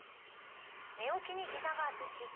寝起きにひざがドキッ！